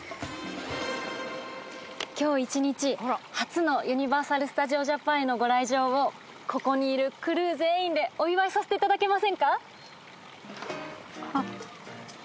今日一日初のユニバーサル・スタジオ・ジャパンへのご来場をここにいるクルー全員でお祝いさせていただけませんか？